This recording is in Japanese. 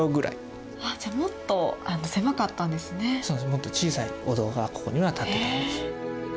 もっと小さいお堂がここには建ってたんです。